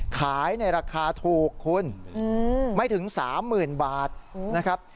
ขายในราคาถูกคุณไม่ถึงสามหมื่นบาทนะครับ